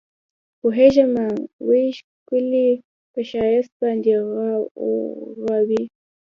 پوهېږمه وي ښکلي پۀ ښائست باندې غاوره